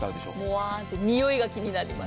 モワーッとにおいが気になります。